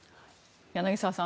柳澤さん